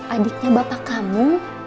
adiknya bapak kamu